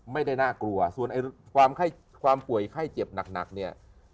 ไม่ได้น่ากลัวส่วนความป่วยไข้เจ็บหนักเนี่ย